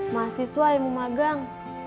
mahasiswa yang memagang